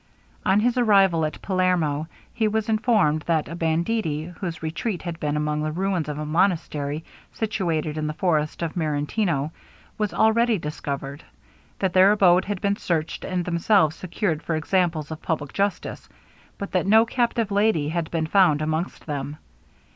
On his arrival at Palermo he was informed, that a banditti, whose retreat had been among the ruins of a monastery, situated in the forest of Marentino, was already discovered; that their abode had been searched, and themselves secured for examples of public justice but that no captive lady had been found amongst them.